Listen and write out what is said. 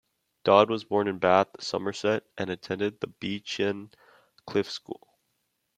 Dodd was born in Bath, Somerset and attended the Beechen Cliff School.